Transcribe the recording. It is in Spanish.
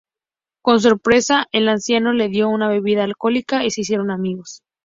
Con sorpresa, el anciano le dio una bebida alcohólica y se hicieron amigos.